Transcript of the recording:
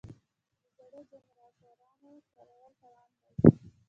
د زړو جنراتورونو کارول تاوان دی.